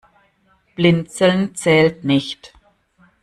Blinzeln zählt nicht.